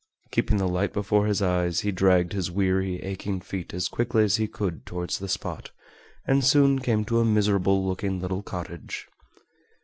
Keeping the light before his eyes he dragged his weary, aching feet as quickly as he could towards the spot, and soon came to a miserable looking little cottage.